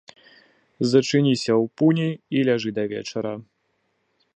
Зачыніся ў пуні і ляжы да вечара.